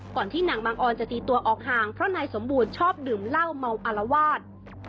ที่นางบังออนจะตีตัวออกห่างเพราะนายสมบูรณ์ชอบดื่มเหล้าเมาอารวาส